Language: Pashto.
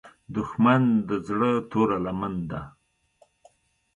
دښمن د زړه توره لمن ده